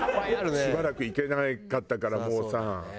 しばらく行けなかったからもうさ。